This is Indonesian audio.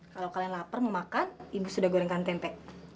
kalau kalian lapar mau makan ibu sudah gorengkan tempe